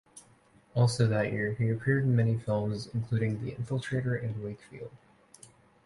Also that year, he appeared in many films, including "The Infiltrator" and "Wakefield".